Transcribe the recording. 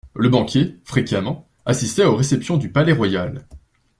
Le banquier, fréquemment, assistait aux réceptions du Palais-Royal.